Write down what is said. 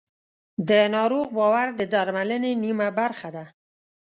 د ناروغ باور د درملنې نیمه برخه ده.